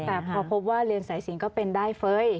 แต่พอพบว่าเรียนสายสินก็เป็นได้เฟ้ย